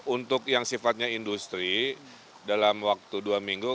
untuk yang sifatnya industri dalam waktu dua minggu